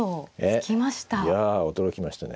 ええいや驚きましたね。